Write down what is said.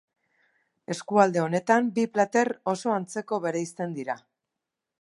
Eskualde honetan bi plater oso antzeko bereizten dira.